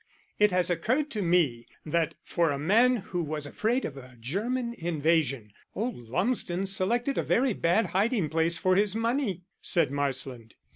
"It has occurred to me that, for a man who was afraid of a German invasion, old Lumsden selected a very bad hiding place for his money," said Marsland.